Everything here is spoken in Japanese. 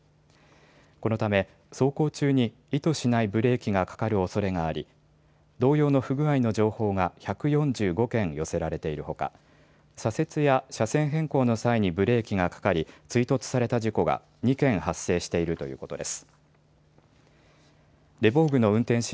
このため、走行中に意図しないブレーキがかかるおそれがあり、同様の不具合の情報が１４５件寄せられているほか、左折や車線変更の際にブレーキがかかり、追突された事故が２件発生しているということです。